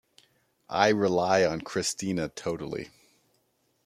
I rely on Kristina totally.